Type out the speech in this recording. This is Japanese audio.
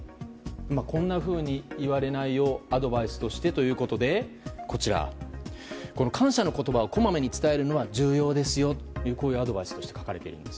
こんなふうに言われないようアドバイスとしてということで感謝の言葉をこまめに伝えるのは重要ですよとアドバイスとして書かれているんです。